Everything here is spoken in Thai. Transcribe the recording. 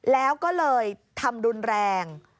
แล้วก็เลยทำรุนแรง